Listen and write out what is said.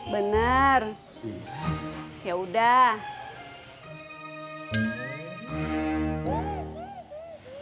bener ya udah